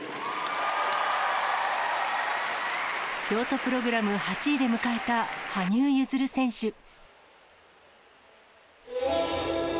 ショートプログラム８位で迎えた羽生結弦選手。